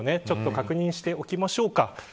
ちょっと確認しておきましょう。